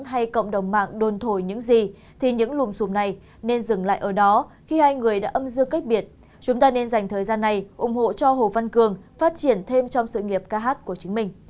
hãy đăng ký kênh để ủng hộ kênh của chúng mình nhé